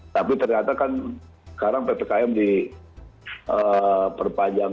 tapi ternyata kan sekarang ppkm diperpanjang